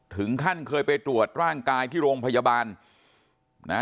ถึงขั้นเคยไปตรวจร่างกายที่โรงพยาบาลนะฮะ